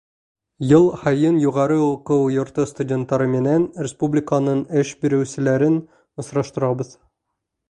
Йыл һайын юғары уҡыу йорто студенттары менән республиканың эш биреүселәрен осраштырабыҙ.